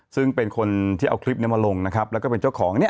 ซึ่งเป็นคนที่เอาคลิปนี้มาลงนะครับแล้วก็เป็นเจ้าของเนี่ย